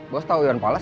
bos tau iwan fales